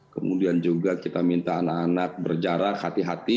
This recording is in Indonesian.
kemudian juga kita minta anak anak berjarak hati hati